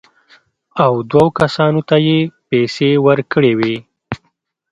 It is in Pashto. او دوو کسانو ته یې پېسې ورکړې وې.